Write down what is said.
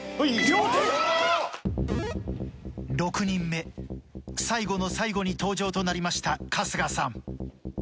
６人目最後の最後に登場となりました春日さん。